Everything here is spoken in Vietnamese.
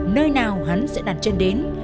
nơi nào hắn sẽ đặt chân đến